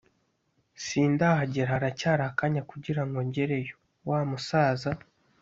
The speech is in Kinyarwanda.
sindahagera haracyari akanya kugira ngo ngereyo.” Wa musaza